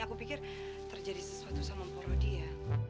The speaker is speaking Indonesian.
aku pikir terjadi sesuatu sama mpok rodi ya